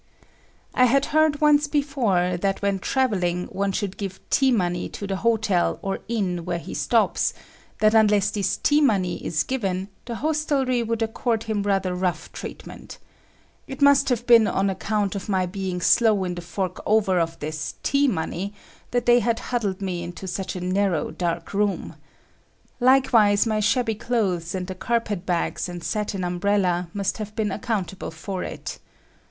I had heard once before that when travelling, one should give "tea money" to the hotel or inn where he stops; that unless this "tea money" is given, the hostelry would accord him rather rough treatment. It must have been on account of my being slow in the fork over of this "tea money" that they had huddled me into such a narrow, dark room. Likewise my shabby clothes and the carpet bags and satin umbrella must have been accountable for it.